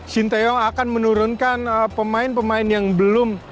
shin taeyong akan menurunkan pemain pemain yang belum